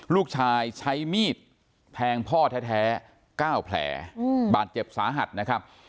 ลูกชายใช้มีดแทงพ่อแท้๙แผลบาดเจ็บสาหัสนะครับ